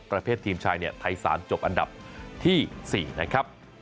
ประเภททีมชายเนี่ยไทย๓จบอันดับที่๔นะครับ